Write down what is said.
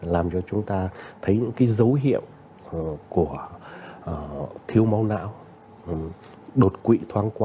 làm cho chúng ta thấy những cái dấu hiệu của thiếu máu não đột quỵ thoáng qua